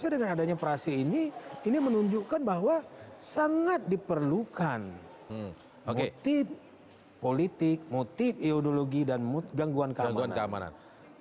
dengan adanya prase ini ini menunjukkan bahwa sangat diperlukan motif politik motif ideologi dan gangguan keamanan